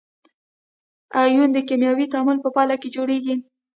ایون د کیمیاوي تعامل په پایله کې جوړیږي.